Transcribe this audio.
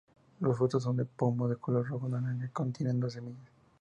Los frutos son de pomos de color rojo-naranja que contienen dos semillas.